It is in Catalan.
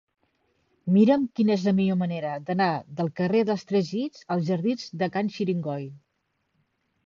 Mira'm quina és la millor manera d'anar del carrer dels Tres Llits als jardins de Can Xiringoi.